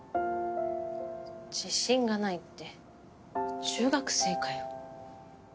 自信がないって中学生かよ。